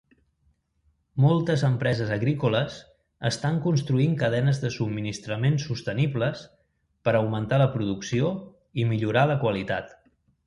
Moltes empreses agrícoles estan construint cadenes de subministrament sostenibles per augmentar la producció i millorar la qualitat.